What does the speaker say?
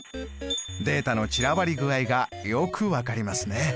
データの散らばり具合がよく分かりますね。